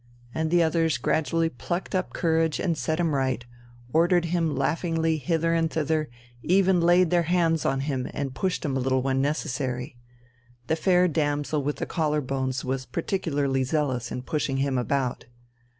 and the others gradually plucked up courage and set him right, ordered him laughingly hither and thither, even laid their hands on him and pushed him a little when necessary. The fair damsel with the collar bones was particularly zealous in pushing him about.